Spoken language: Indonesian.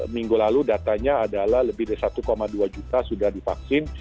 minggu lalu datanya adalah lebih dari satu dua juta sudah divaksin